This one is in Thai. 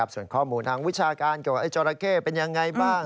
ส่วนข้อมูลทางวิชาการเกี่ยวกับไอ้จราเข้เป็นยังไงบ้าง